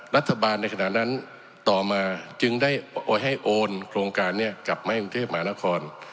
รัฐบาลในขณะนั้นต่อมาจึงได้ให้โอนโครงการนี้กลับมาให้กรุงเทพมหานคร